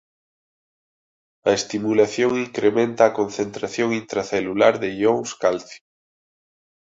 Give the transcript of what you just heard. A estimulación incrementa a concentración intracelular de ións calcio.